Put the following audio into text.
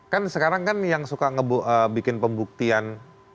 kan sekarang kan yang suka bikin pembuktian